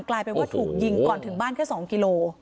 เพราะว่าถูกยิงก่อนถึงบ้านก็สองกิโลโกรภาพ